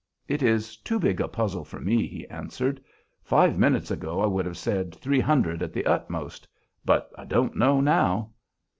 "It is too big a puzzle for me," he answered. "Five minutes ago I would have said three hundred at the utmost, but I don't know now."